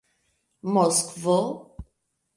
moskvo